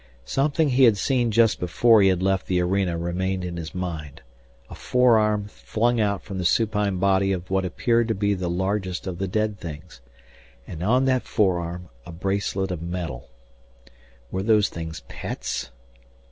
Something he had seen just before he had left the arena remained in his mind: a forearm flung out from the supine body of what appeared to be the largest of the dead things and on that forearm a bracelet of metal. Were those things pets!